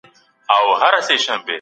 احمد پرون په کور کي ویده سو.